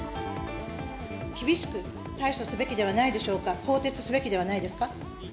厳しく対処すべきではないでしょうか、更迭すべきではないですか。